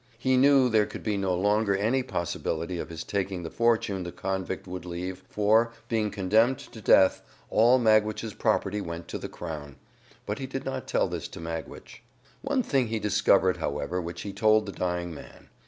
He knew there could be no longer any possibility of his taking the fortune the convict would leave, for, being condemned to death, all Magwitch's property went to the Crown. But he did not tell this to Magwitch. One thing he discovered, however, which he told the dying man.